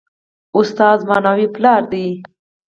ښوونکی معنوي پلار دی.